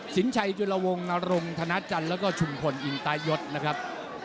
สินชัยจุลวงนรงธนาจันทร์แล้วก็ชุมพลอินตายศนะครับ